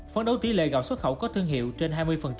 phấn đấu tỷ lệ gạo xuất khẩu có thương hiệu trên hai mươi